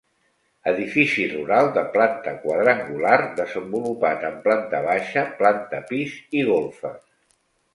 Edifici rural de planta quadrangular, desenvolupat en planta baixa, planta pis i golfes.